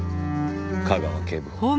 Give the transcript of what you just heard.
架川警部補。